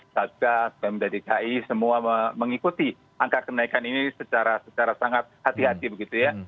satgas pmd dki semua mengikuti angka kenaikan ini secara sangat hati hati begitu ya